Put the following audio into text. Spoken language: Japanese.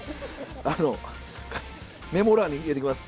あのメモ欄に入れときます。